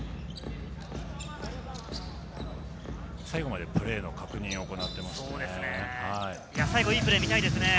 最後までプレーの確認を行っていますね。